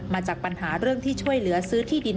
มาจากปัญหาเรื่องที่ช่วยเหลือซื้อที่ดิน